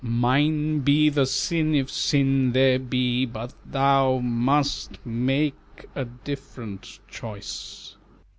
Mine be the sin, if sin there be, But thou must make a different choice."